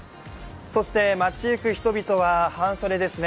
そして街行く人々は半袖ですね。